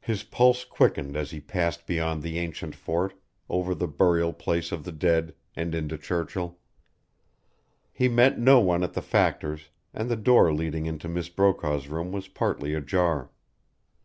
His pulse quickened as he passed beyond the ancient fort, over the burial place of the dead, and into Churchill. He met no one at the factor's, and the door leading into Miss Brokaw's room was partly ajar.